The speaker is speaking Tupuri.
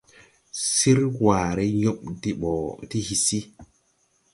Sir waaré yob de ɓɔ ti hisi.